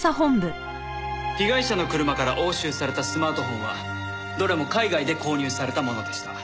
被害者の車から押収されたスマートフォンはどれも海外で購入されたものでした。